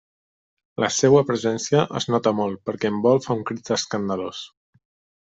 La seua presència es nota molt perquè en vol fa un crit escandalós.